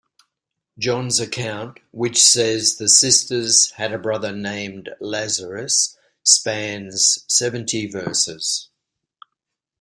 John's account, which says the sisters had a brother named Lazarus, spans seventy verses.